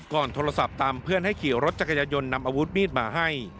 โทรศัพท์ตามเพื่อนให้ขี่รถจักรยายนนำอาวุธมีดมาให้